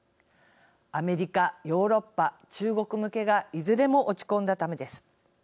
アメリカヨーロッパ中国向けがいずれも落ち込んだためです。